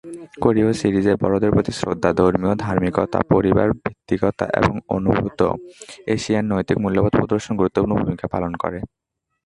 কোরীয় সিরিজে বড়দের প্রতি শ্রদ্ধা, ধর্মীয় ধার্মিকতা, পরিবার-ভিত্তিকতা এবং অনুভূত "এশিয়ান নৈতিক মূল্যবোধ" প্রদর্শন গুরুত্বপূর্ণ ভূমিকা পালন করে।